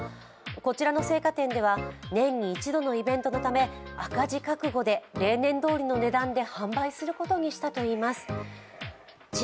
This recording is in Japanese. こちらの生花店では年に一度のイベントのため赤字覚悟で例年通りの値段で販売することにしたといいます。